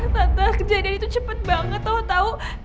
tante kejadian itu cepet banget tau tau